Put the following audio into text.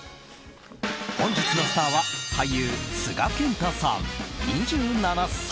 本日のスターは俳優・須賀健太さん、２７歳。